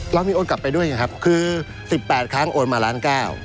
เรามีโอนกลับไปด้วยไงครับคือ๑๘ครั้งโอนมาล้านเก้า